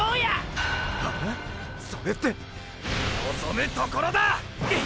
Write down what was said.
ア⁉それって！！のぞむところだ！！